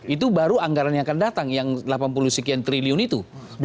itu baru anggaran yang akan datang yang delapan puluh sekian triliun itu